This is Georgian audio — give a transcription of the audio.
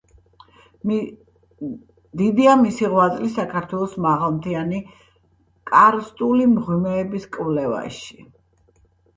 დიდია მისი ღვაწლი საქართველოს მაღალმთიანი კარსტული მღვიმეების კვლევაში.